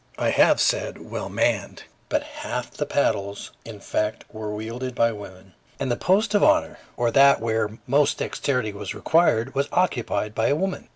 I have said well manned, but half the paddles, in fact, were wielded by women, and the post of honor, or that where most dexterity was required, was occupied by a woman.